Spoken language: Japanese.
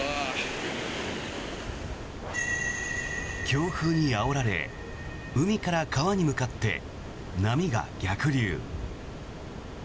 強風にあおられ海から川に向かって波が逆流。